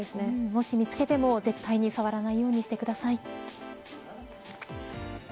もし見つけても絶対に触らないようにしてください。